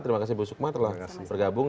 terima kasih bu sukma telah bergabung